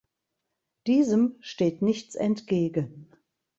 Diesem steht nichts entgegen.